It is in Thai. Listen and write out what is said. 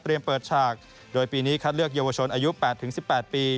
เปิดฉากโดยปีนี้คัดเลือกเยาวชนอายุ๘๑๘ปี